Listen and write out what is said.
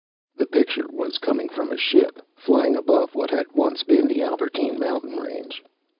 The picture was coming from a ship, flying above what had once been the Albertine Mountain Range.